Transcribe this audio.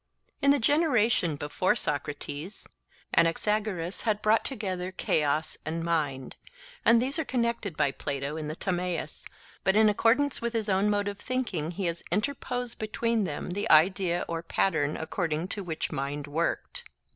In the generation before Socrates, Anaxagoras had brought together 'Chaos' and 'Mind'; and these are connected by Plato in the Timaeus, but in accordance with his own mode of thinking he has interposed between them the idea or pattern according to which mind worked.